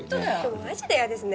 マジで嫌ですね